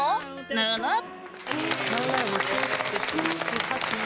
ぬぬっ！